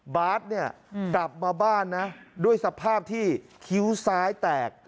บาทเนี่ยกลับมาบ้านนะด้วยสภาพที่คิ้วซ้ายแตก